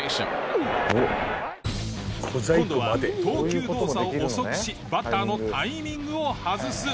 今度は投球動作を遅くしバッターのタイミングを外す。